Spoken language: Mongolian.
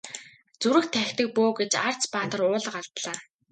Зүрх тахидаг бөө гэж Арц баатар уулга алдлаа.